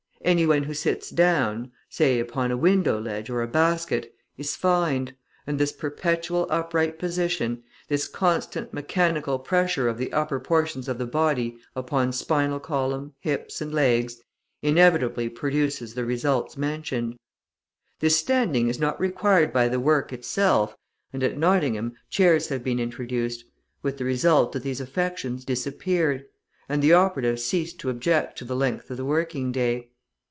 Any one who sits down, say upon a window ledge or a basket, is fined, and this perpetual upright position, this constant mechanical pressure of the upper portions of the body upon spinal column, hips, and legs, inevitably produces the results mentioned. This standing is not required by the work itself, and at Nottingham chairs have been introduced, with the result that these affections disappeared, and the operatives ceased to object to the length of the working day.